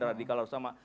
radikal harus sama